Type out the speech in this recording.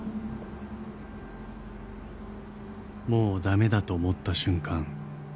［もう駄目だと思った瞬間